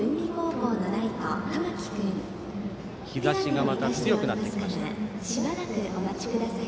日ざしがまた強くなってきました。